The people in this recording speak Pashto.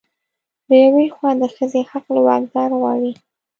له يوې خوا د ښځې حق له واکدار غواړي